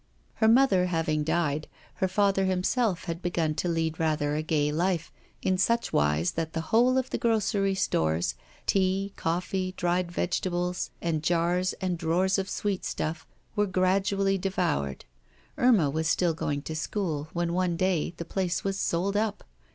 Her mother having died, her father himself had begun to lead rather a gay life, in such wise that the whole of the grocery stores tea, coffee, dried vegetables, and jars and drawers of sweetstuff were gradually devoured. Irma was still going to school, when, one day, the place was sold up.